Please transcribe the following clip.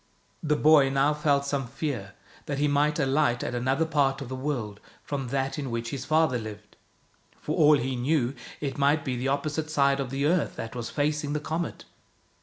The boy now felt some fear that he might alight at another part of the world from that in which his father lived. For all he knew, it might be the oppo site side of the earth that was facing the comet.